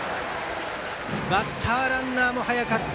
バッターランナーも速かった。